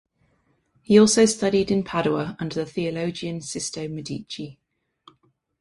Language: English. He also studied in Padua under the theologian Sisto Medici.